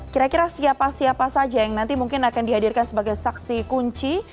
kira kira siapa siapa saja yang nanti mungkin akan dihadirkan sebagai saksi kunci